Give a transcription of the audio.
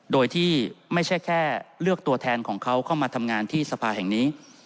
โดยที่ไม่ใช่แค่เลือกตัวแทนของเขาเข้ามาทำงานที่สภาแห่งนี้